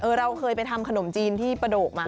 เราเคยไปทำขนมจีนที่ประโดกมา